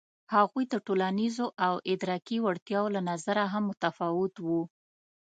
هغوی د ټولنیزو او ادراکي وړتیاوو له نظره هم متفاوت وو.